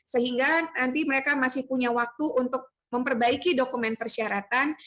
sehingga nanti mereka masih punya waktu untuk memperbaiki dokumen persyaratan